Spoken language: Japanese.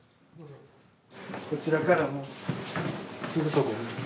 こちらからもすぐそこに。